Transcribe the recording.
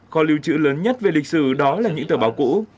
kho lưu trữ lớn nhất về lịch sử đó là những tờ báo cũ